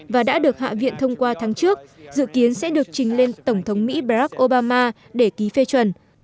và đã được hạ viện thông qua tháng trước dự kiến sẽ được trình lên tổng thống mỹ brak obama để ký phê chuẩn